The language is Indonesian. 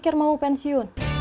kamu mau pensiun